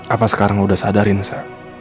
apa sekarang lo udah sadarin sa